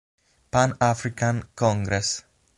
Pan-African Congress